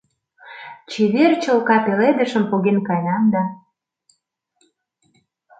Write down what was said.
Чевер чолка пеледышым поген каенам да.